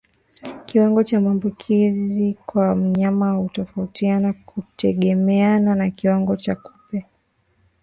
Kiwango cha maambukizi kwa wanyama hutofautiana kutegemeana na kiwango cha kupe